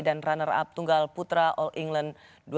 dan runner up tunggal putra all england dua ribu dua puluh empat